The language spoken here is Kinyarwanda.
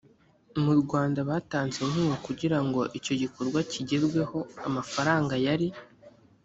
mu rwanda batanze inkunga kugira ngo icyo gikorwa kigerweho amafaranga yari